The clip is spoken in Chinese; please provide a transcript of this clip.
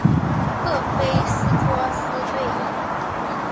赫菲斯托斯对应。